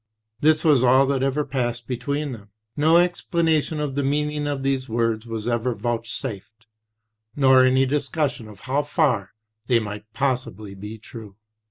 This was all that ever passed between them; no explanation of the meaning of these words was ever vouch safed, nor any discussion of how far they might possibly be true.